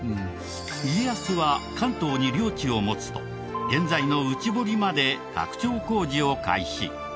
家康は関東に領地を持つと現在の内堀まで拡張工事を開始。